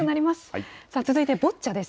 続いてボッチャです。